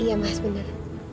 iya mas bener